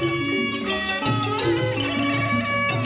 โอเคครับ